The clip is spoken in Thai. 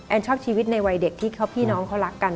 ชอบชีวิตในวัยเด็กที่พี่น้องเขารักกัน